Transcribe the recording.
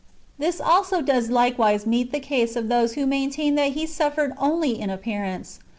This also does likewise meet [the case] of those who maintain that He suffered only in appearance.